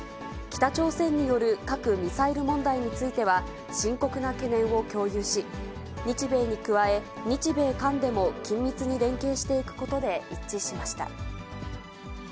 北朝鮮による核・ミサイル問題については、深刻な懸念を共有し、日米に加え、日米韓でも緊密に連携していくことで一致しました。